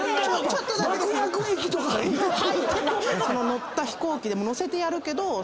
その乗った飛行機でも乗せてやるけど。